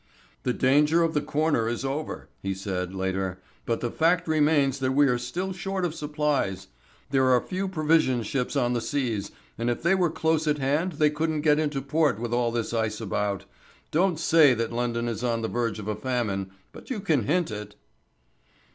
"The danger of the corner is over," he said, later, "but the fact remains that we are still short of supplies; there are few provision ships on the seas, and if they were close at hand they couldn't get into port with all this ice about. Don't say that London is on the verge of a famine, but you can hint it."